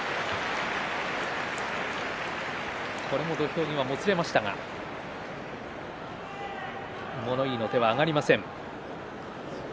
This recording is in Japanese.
これも土俵際もつれましたが物言いの手は上がりません。